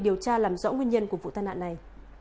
điều tra làm rõ nguyên nhân của vụ tai nạn này